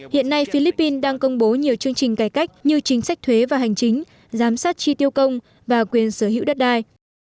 hiện nay philippines đang công bố nhiều chương trình cải cách như chính sách thuế và hành chính giám sát chi tiêu công và quyền sở hữu đất đai